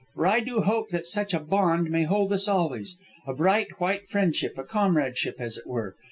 "For I do hope that such a bond may hold us always. A bright, white friendship, a comradeship, as it were?"